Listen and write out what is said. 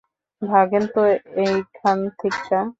ভাগেন তো, এইখান থেইক্কা।